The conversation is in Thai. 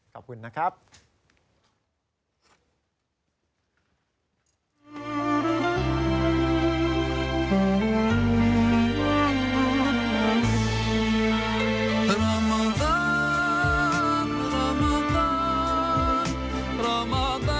ขอบคุณนะครับ